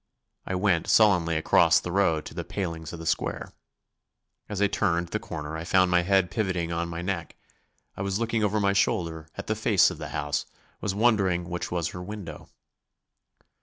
I went sullenly across the road to the palings of the square. As I turned the corner I found my head pivoting on my neck. I was looking over my shoulder at the face of the house, was wondering which was her window.